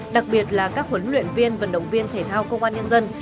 đặc biệt là các huấn luyện viên vận động viên thể thao công an nhân dân